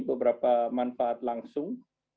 beberapa manfaat langsung